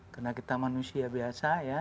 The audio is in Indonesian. karena kita manusia biasa